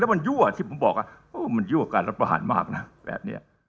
มันยั่วที่ผมบอกว่ามันยั่วการรับประหารมากนะแบบนี้